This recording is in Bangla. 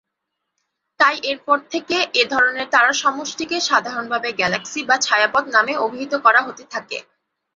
তাই এর পর থেকে এধরনের তারার সমষ্টিকে সাধারণভাবে গ্যালাক্সি বা ছায়াপথ নামে অভিহিত করা হতে থাকে।